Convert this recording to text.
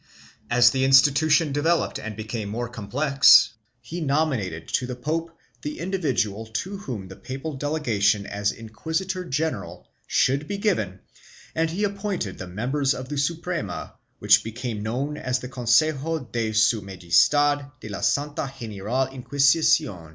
As the institution developed and became more complex he nominated to the pope the individual to whom the papal delegation as inquisitor general should be given and he appointed the members of the Suprema, which became known as the Consejo de su Magestad de la Santa General Inquisition.